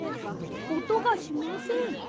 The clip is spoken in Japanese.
おとがしません。